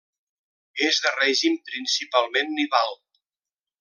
És de règim principalment nival.